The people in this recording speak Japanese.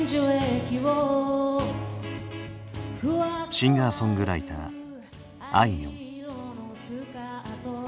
シンガーソングライターあいみょん。